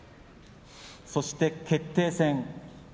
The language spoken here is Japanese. そして決定戦。